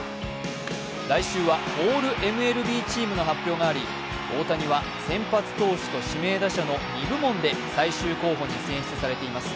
来週はオールＭＬＢチームの発表があり大谷は、先発投手と指名打者の２部門で最終候補に選出されています。